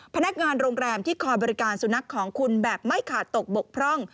พนักงานโรงแรมที่คอยบริการสุนัขของคุณแบบไม่ขาดตกบกพร่อง